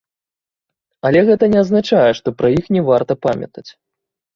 Але гэта не азначае, што пра іх не варта памятаць.